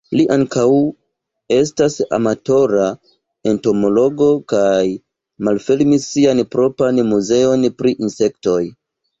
Li ankaŭ estas amatora entomologo kaj malfermis sian propran muzeon pri insektoj.